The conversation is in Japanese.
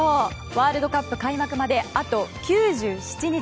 ワールドカップ開幕まであと９７日。